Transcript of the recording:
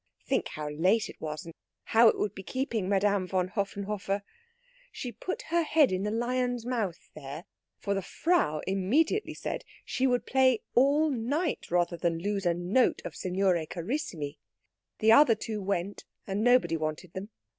Think how late it was, and how it would be keeping Madame von Höfenhoffer! She put her head in the lion's mouth there, for the Frau immediately said she would play all night rather than lose a note of Signore Carissimi. The other two went, and nobody wanted them.